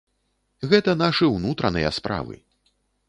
Гэта нашы ўнутраныя справы!